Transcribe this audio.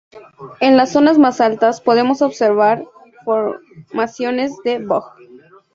En las zonas más altas podemos observar formaciones de boj.